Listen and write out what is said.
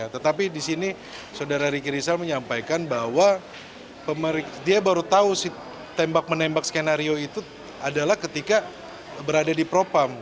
tetapi di sini saudara ricky rizal menyampaikan bahwa dia baru tahu si tembak menembak skenario itu adalah ketika berada di propam